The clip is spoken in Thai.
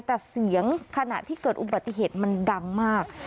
แต่เสียงขณะที่เกิดอุบัติเหตุมันดังมาก